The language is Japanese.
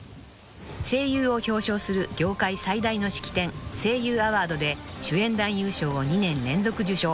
［声優を表彰する業界最大の式典声優アワードで主演男優賞を２年連続受賞］